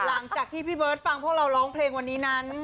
หลังจากที่พี่เบิร์ตฟังพวกเราร้องเพลงวันนี้นั้น